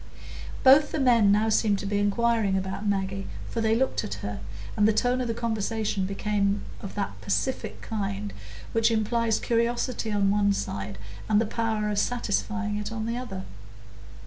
Both the men now seemed to be inquiring about Maggie, for they looked at her, and the tone of the conversation became of that pacific kind which implies curiosity on one side and the power of satisfying it on the other.